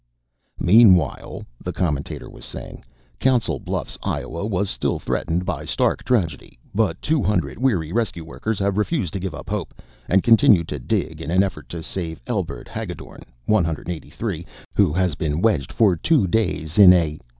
"Meanwhile," the commentator was saying, "Council Bluffs, Iowa, was still threatened by stark tragedy. But 200 weary rescue workers have refused to give up hope, and continue to dig in an effort to save Elbert Haggedorn, 183, who has been wedged for two days in a